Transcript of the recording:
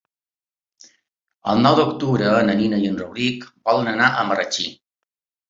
El nou d'octubre na Nina i en Rauric volen anar a Marratxí.